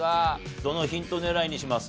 どのヒント狙いにします？